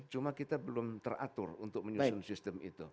cuma kita belum teratur untuk menyusun sistem itu